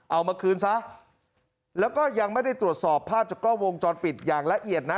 เอามาคืนซะแล้วก็ยังไม่ได้ตรวจสอบภาพจากกล้องวงจรปิดอย่างละเอียดนะ